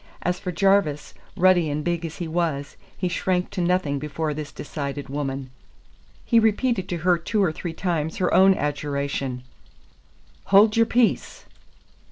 As for Jarvis, ruddy and big as he was, he shrank to nothing before this decided woman. He repeated to her two or three times her own adjuration, "Hold your peace!"